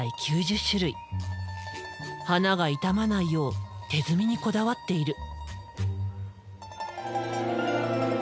花が傷まないよう手摘みにこだわっている。